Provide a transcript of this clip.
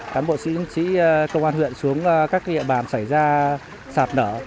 các bộ chiến sĩ công an huyện xuống các địa bàn xảy ra sạp nở